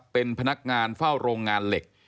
เป็นพนักงานเฝ้าโรงงานเหล็ก